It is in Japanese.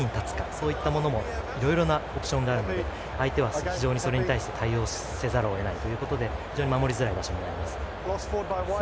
そういったものもいろいろなオプションがあるので相手は非常にそれに対して対応せざるを得なくなり守りづらくなります。